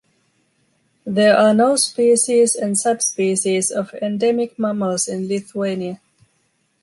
There are no species and sub-species of endemic mammals in Lithuania.